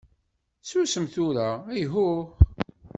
Susem tura, ayhuh!